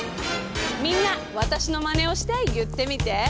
みんなわたしのまねをしていってみて！